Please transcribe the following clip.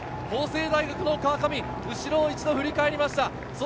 法政大学・川上、後ろを一度振り返りました。